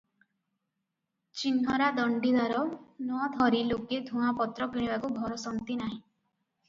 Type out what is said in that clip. ଚିହ୍ନରା ଦଣ୍ଡିଦାର ନ ଧରି ଲୋକେ ଧୁଆଁପତ୍ର କିଣିବାକୁ ଭରସନ୍ତି ନାହିଁ ।